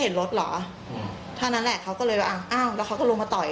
เห็นรถหรอเท่านั้นแหละเฎ็บแล้วเขาก็เลยต่ออ่ะเขาก็ตาย